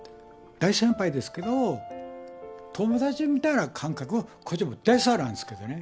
大先輩ですけど、友達みたいな感じは、大スターなんですけどね。